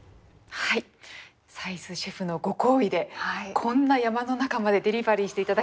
はい斉須シェフのご厚意でこんな山の中までデリバリーして頂きました。